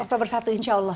oktober satu insya allah